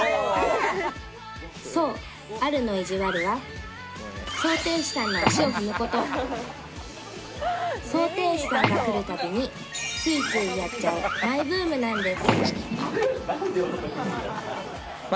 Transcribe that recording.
そうアルの意地悪は装蹄師さんの足を踏むこと装蹄師さんが来るたびについついやっちゃうマイブームなんです